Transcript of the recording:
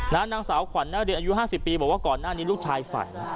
นางสาวขวัญนาที๕๐ปีบอกว่าก่อนหน้านี้ลูกชายฝัน